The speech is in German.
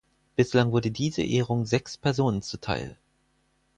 Bislang wurde diese Ehrung sechs Personen zuteil.